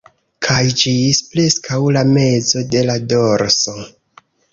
Kaj ĝis preskaŭ la mezo de la dorso